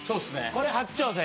これ初挑戦？